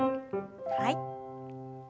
はい。